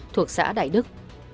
thuộc xã đại đức